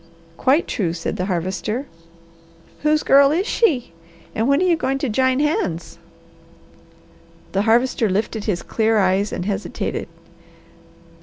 "Quite true!" said the Harvester. "Whose girl is she, and when are you going to jine hands?" The Harvester lifted his clear eyes and hesitated.